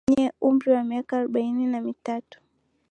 nye umri wa miaka arobaini na mitatu